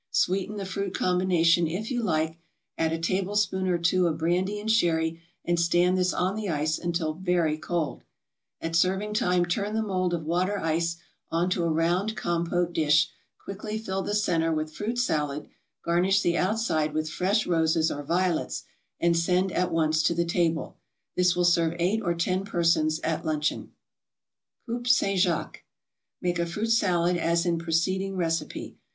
Sweeten the fruit combination, if you like, add a tablespoonful or two of brandy and sherry, and stand this on the ice until very cold. At serving time, turn the mold of water ice on to a round compote dish, quickly fill the centre with fruit salad, garnish the outside with fresh roses or violets, and send at once to the table. This will serve eight or ten persons at luncheon. COUPE ST. JACQUE Make a fruit salad as in preceding recipe.